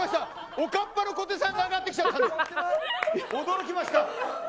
おかっぱの小手さんが上がってきて驚きました。